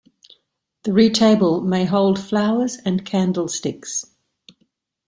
The retable may hold flowers and candlesticks.